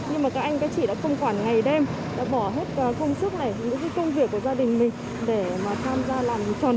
nhưng mà các anh cái chỉ đã phong khoản ngày đêm đã bỏ hết công sức này những cái công việc của gia đình mình để mà tham gia làm tròn nhiệm vụ của mình